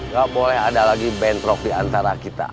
gak boleh ada lagi bentrok diantara kita